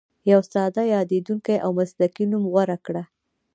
یو ساده، یادېدونکی او مسلکي نوم غوره کړه.